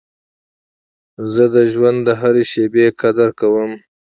زه د ژوند د هري شېبې قدر کوم.